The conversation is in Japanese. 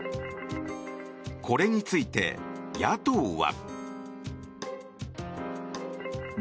これについて野党は。